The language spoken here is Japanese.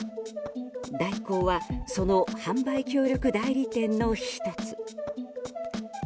大広はその販売協力代理店の１つ。